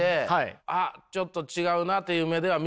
あっちょっと違うなという目では見ちゃってたし。